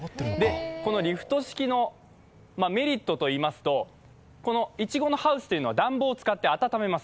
このリフト式のメリットといいますと、いちごのハウスというのは暖房を使って暖めます。